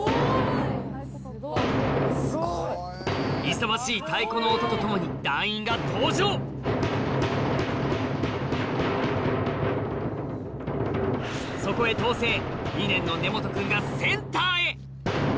勇ましい太鼓の音と共に団員が登場そこへ統制２年の根本君がセンターへ！